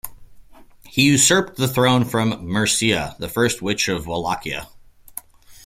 He usurped the throne from Mircea the First of Wallachia.